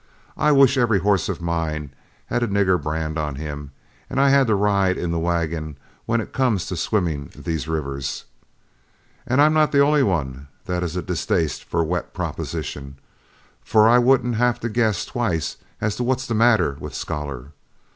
I wish every horse of mine had a nigger brand on him, and I had to ride in the wagon, when it comes to swimming these rivers. And I'm not the only one that has a distaste for a wet proposition, for I wouldn't have to guess twice as to what's the matter with Scholar.